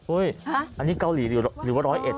อุ๊ยอันนี้เกาหลีหรือร้อยเอ็ด